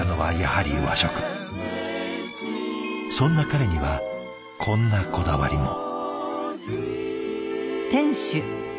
そんな彼にはこんなこだわりも。